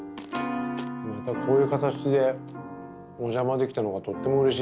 またこういう形でお邪魔できたのがとってもうれしいっす。